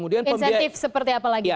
insentif seperti apa lagi